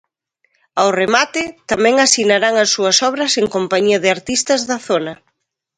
Ao remate, tamén asinarán as súas obras en compañía de artistas da zona.